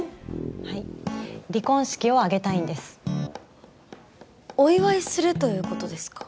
はい離婚式を挙げたいんですお祝いするということですか？